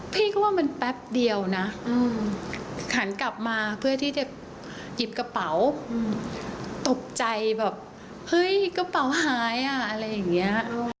พี่ก็ว่ามันแป๊บเดียวนะหันกลับมาเพื่อที่จะหยิบกระเป๋าตกใจแบบเฮ้ยกระเป๋าหายอ่ะอะไรอย่างนี้